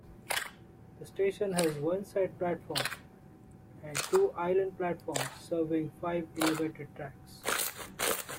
The station has one side platform and two island platforms serving five elevated tracks.